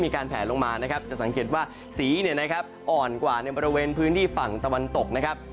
แผลลงมานะครับจะสังเกตว่าสีเนี่ยนะครับอ่อนกว่าในบริเวณพื้นที่ฝั่งตะวันตกนะครับ